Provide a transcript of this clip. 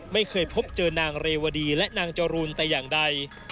ไม่เคยพบเจอนางเรวดีและนางจรูนแต่อย่างใด